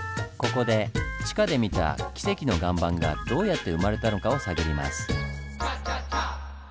ここで地下で見た「キセキの岩盤」がどうやって生まれたのかを探ります。